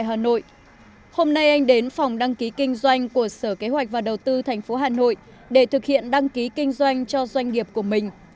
hôm nay anh đến phòng đăng ký kinh doanh của sở kế hoạch và đầu tư thành phố hà nội để thực hiện đăng ký kinh doanh cho doanh nghiệp của mình